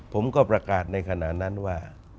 ผมก็ประกาศในขณะนั้นว่า